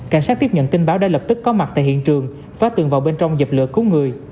cảnh sát tiếp nhận tin báo đã lập tức có mặt tại hiện trường phá tường vào bên trong dập lửa cứu người